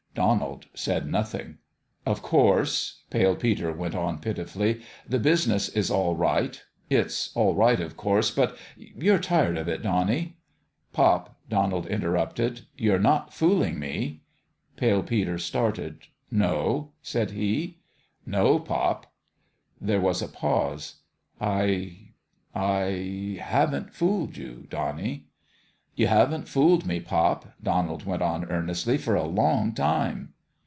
Donald said nothing. "Of course," Pale Peter went on, pitifully, "the business is all right. It's all right, of course ; but if you're tired of it, Donnie "" Pop," Donald interrupted, " you're not fool ing me." Pale Peter started. " No ?" said he. " No, pop." There was a pause. " I I haven't fooled you, Donnie ?" "You haven't fooled me, pop," Donald went on, earnestly, " for a long time."